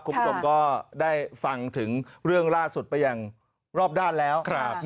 คุณผู้ชมก็ได้ฟังถึงเรื่องล่าสุดไปอย่างรอบด้านแล้ว